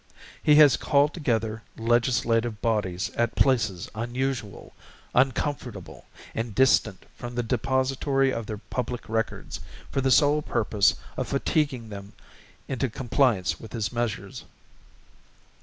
He has called together legislative bodies at places unusual, uncomfortable, and distant from the depository of their Public Records, for the sole purpose of fatiguing them into compliance with his measures.